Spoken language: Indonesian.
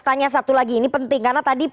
tanya satu lagi ini penting karena tadi